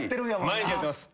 毎日やってます。